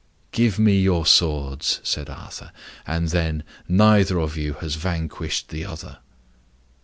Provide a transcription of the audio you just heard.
"Give me your swords," said Arthur, "and then neither of you has vanquished the other."